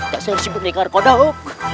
dasar sibuk nih ngarekodok